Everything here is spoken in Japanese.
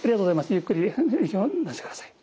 ゆっくり出してください。